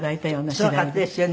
すごかったですよね。